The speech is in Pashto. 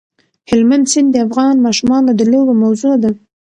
هلمند سیند د افغان ماشومانو د لوبو موضوع ده.